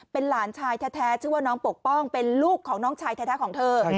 เป็นหลานชายแท้ชื่อว่าน้องปกป้องเป็นลูกของน้องชายแท้ของเธอ